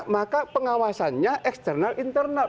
maka pengawasannya eksternal internal